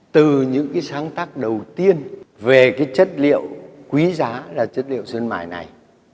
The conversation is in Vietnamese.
từ những cái sáng tác đầu tiên về cái chất liệu quý giá là chất liệu sơn mài này